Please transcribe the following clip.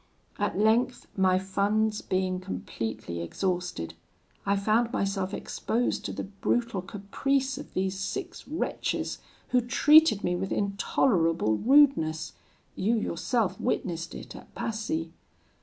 At length, my funds being completely exhausted, I found myself exposed to the brutal caprice of these six wretches who treated me with intolerable rudeness you yourself witnessed it at Passy.